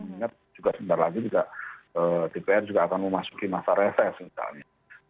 mengingat juga sebentar lagi juga dpr juga akan memasuki masa reses misalnya